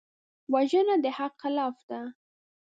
وژنه د حق خلاف ده